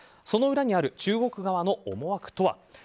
その裏にある中国側の思惑とは。